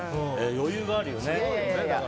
余裕があるよね。